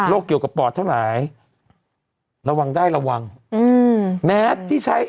โรคเกี่ยวกับปอดเท่าไหร่ระวังได้ระวังแมทที่ใช้